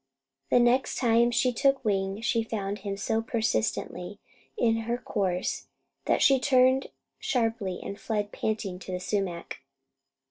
The next time she took wing, she found him so persistently in her course that she turned sharply and fled panting to the sumac.